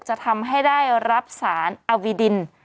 จะทำให้ได้รับสารอวิดิน